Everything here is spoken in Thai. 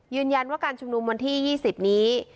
ยืนยันว่าการชุมนุมวันที่๒๐นี้